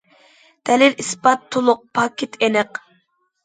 دەلىل- ئىسپات تولۇق، پاكىت ئېنىق.